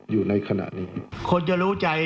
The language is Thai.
อยู่ในขณะนี้